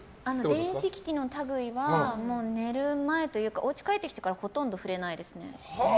電子機器の類いは寝る前というかおうち帰ってきてからほとんど触れないですね。